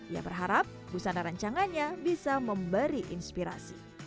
ia berharap pusana rencangannya bisa memberi inspirasi